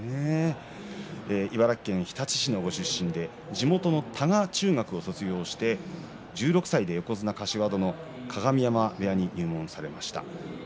茨城県日立市のご出身で地元の多賀中学を卒業して鏡山部屋に入門されました。